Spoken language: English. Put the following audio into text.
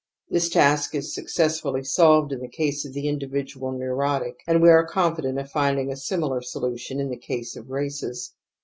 This task is successfully solved in the case of the individual neurotic, and we are confident of finding a similar solution in the case of races.